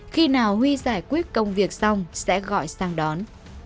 khi nào huy giải quyết công việc xong sẽ gọi sang đón